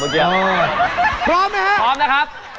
พร้อมมั้ยครับ